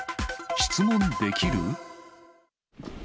質問できる？